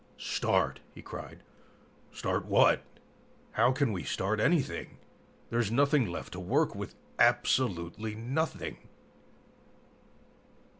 "Start!" he cried. "Start what? How can we start anything? There's nothing left to work with, absolutely nothing!"